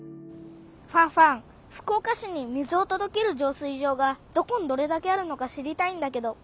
ファンファン福岡市に水をとどける浄水場がどこにどれだけあるのか知りたいんだけど。